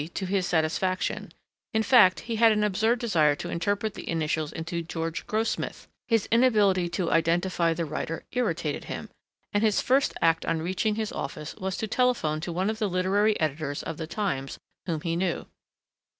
to his satisfaction, in fact he had an absurd desire to interpret the initials into "George Grossmith." His inability to identify the writer irritated him, and his first act on reaching his office was to telephone to one of the literary editors of the Times whom he knew.